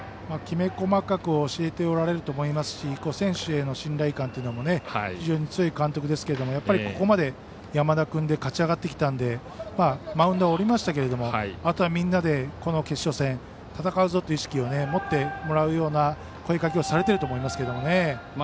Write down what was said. きめ細かく教えておられると思いますし選手への信頼感というのも非常に強い監督ですけどここまで山田君で勝ち上がってきたんでマウンドは降りましたけどあとはみんなでこの決勝戦戦うぞという意識を持ってもらうような声かけをされてると思いますけどね。